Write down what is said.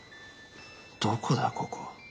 どこだここ。